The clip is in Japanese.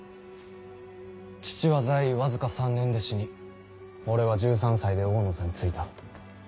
父は在位わずか３年で死に俺は１３歳で王の座についた。